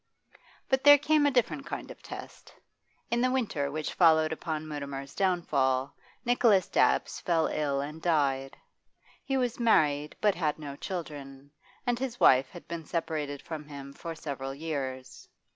But there came a different kind of test. In the winter which followed upon Mutimer's downfall, Nicholas Dabbs fell ill and died. He was married but had no children, and his wife had been separated from him for several years.